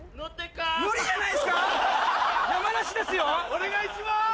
お願いします！